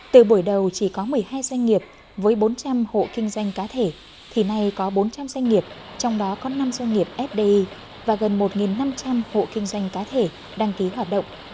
từ buổi đầu chỉ có một mươi hai doanh nghiệp với bốn trăm linh hộ kinh doanh cá thể thì nay có bốn trăm linh doanh nghiệp trong đó có năm doanh nghiệp fdi và gần một năm trăm linh hộ kinh doanh cá thể đăng ký hoạt động